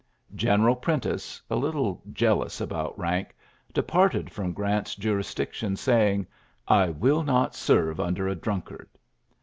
General Prentiss, a little jealous 3ut rank, departed from Grant's juris ition, saying, '^ I will not serve under drunkard.